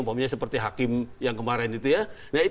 umpamanya seperti hakim yang kemarin itu ya